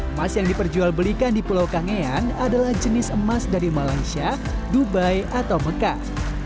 emas yang diperjual belikan di pulau kangean adalah jenis emas dari malaysia dubai atau mekah